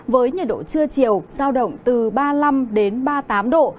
với nhiệt độ trưa chiều giao động từ ba mươi năm đến ba mươi tám độ